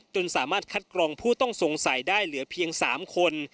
สามารถคัดกรองผู้ต้องสงสัยได้เหลือเพียง๓คน